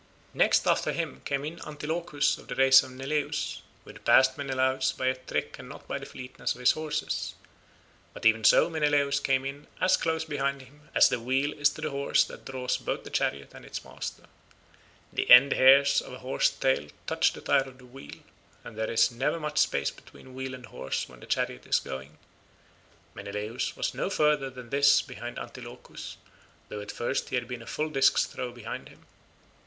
Next after him came in Antilochus of the race of Neleus, who had passed Menelaus by a trick and not by the fleetness of his horses; but even so Menelaus came in as close behind him as the wheel is to the horse that draws both the chariot and its master. The end hairs of a horse's tail touch the tyre of the wheel, and there is never much space between wheel and horse when the chariot is going; Menelaus was no further than this behind Antilochus, though at first he had been a full disc's throw behind him.